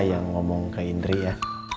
yang ngomong ke indri ya